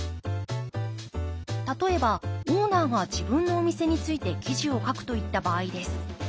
例えばオーナーが自分のお店について記事を書くといった場合です。